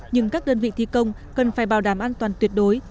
nhưng các đơn vị thi công cần phải bảo đảm an toàn tuyệt đối